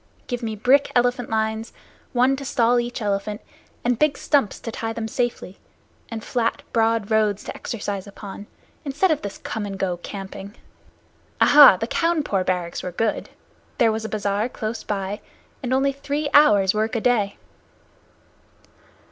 Give me brick elephant lines, one stall to each elephant, and big stumps to tie them to safely, and flat, broad roads to exercise upon, instead of this come and go camping. Aha, the Cawnpore barracks were good. There was a bazaar close by, and only three hours' work a day."